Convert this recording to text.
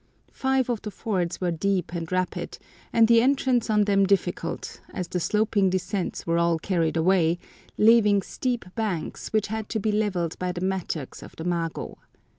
Five of the fords were deep and rapid, and the entrance on them difficult, as the sloping descents were all carried away, leaving steep banks, which had to be levelled by the mattocks of the mago.